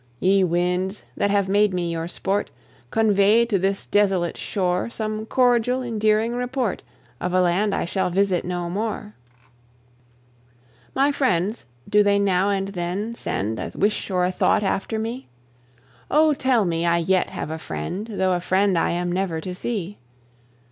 Ye winds that have made me your sport, Convey to this desolate shore Some cordial endearing report Of a land I shall visit no more! My friends do they now and then send A wish or a thought after me? Oh, tell me I yet have a friend, Though a friend I am never to see.